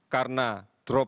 karena tidak akan terlindungi